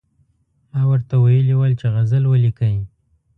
ما ورته ویلي ول چې غزل ولیکئ.